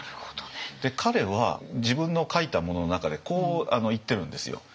彼は自分の書いたものの中でこう言ってるんですよ。